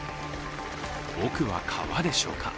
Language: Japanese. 奥は川でしょうか。